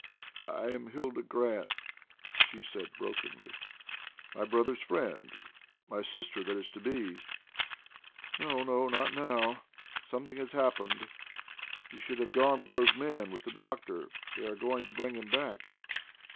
"I am Hilda Grant," she said, brokenly. "My brother's friend! My sister that is to be!" "No, no; not now. Something has happened. You should have gone with those men with the doctor. They are going to bring him back."